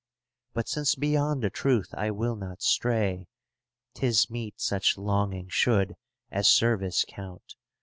But since beyond the truth I will not stray, 'Tis meet such longing should as service count.